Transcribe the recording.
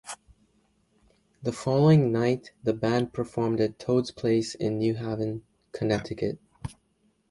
The following night, the band performed at Toad's Place in New Haven, Connecticut.